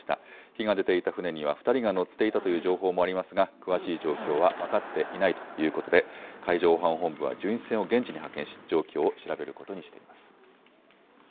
火が出ていた船には２人が乗っていたという情報もありますが、詳しい状況は分かっていないということで、海上保安本部は巡視船を現地に派遣し、状況を調べることにしています。